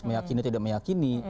meyakini atau tidak meyakini